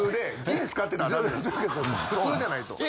普通じゃないと。